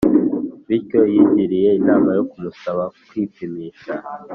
bityo yigiriye inama yo kumusaba kwipimisha